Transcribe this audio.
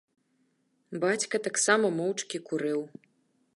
Бацька таксама моўчкі курыў.